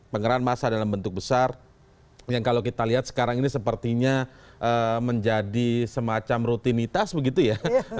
pengerahan masa dalam bentuk besar yang kalau kita lihat sekarang ini sepertinya menjadi semacam rutinitas begitu ya